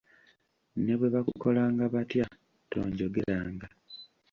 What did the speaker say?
Ne bwe bakukolanga batya, tonjogeranga.